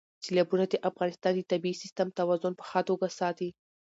سیلابونه د افغانستان د طبعي سیسټم توازن په ښه توګه ساتي.